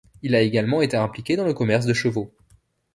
Il a également été impliqué dans le commerce de chevaux.